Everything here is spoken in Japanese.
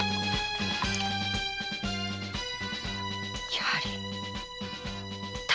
やはり‼巽